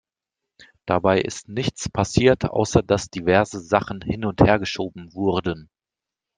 Dabei ist nichts passiert, außer dass diverse Sachen hin- und hergeschoben wurden.